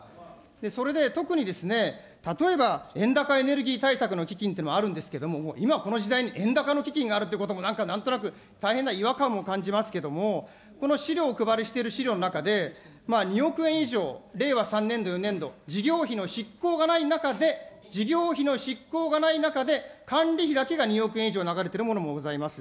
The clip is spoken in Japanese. それで特にですね、例えば円高エネルギー対策の基金っていうのもあるんですけど、もう今この時代に円高の基金があるということもなんかなんとなく、大変な違和感も感じますけども、この資料をお配りしている資料の中で、２億円以上、令和３年度、４年度、事業費の執行がない中で、事業費の執行がない中で、管理費だけが２億円以上流れているものもございます。